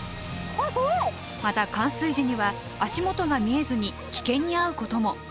また冠水時には足元が見えずに危険に遭うことも。